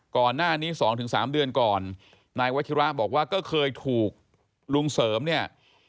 ก่อนหน้านี้๒๓เดือนก่อนนายวัชิระบอกว่าก็เคยถูกลุงเสริมเนี่ย